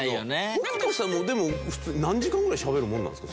北斗さんもでも普通何時間ぐらいしゃべるもんなんですか？